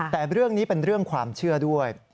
แต่เรื่องนี้เป็นเรื่องความเชื่อด้วย